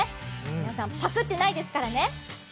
皆さん、パクってないですからね。